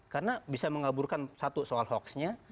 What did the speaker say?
karena bisa mengaburkan satu soal hoaxnya